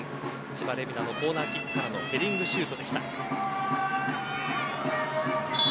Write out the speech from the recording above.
千葉玲海菜のコーナーキックからのヘディングシュートでした。